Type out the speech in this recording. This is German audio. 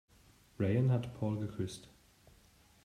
Rayen hat Paul geküsst.